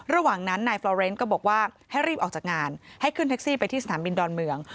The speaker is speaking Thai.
ระหว่างนั้นนายฟลอเรนด์ก็บอกว่าให้รีบออกจากงานให้ขึ้นแท็กซี่ไปที่สนามบินดอนเมือง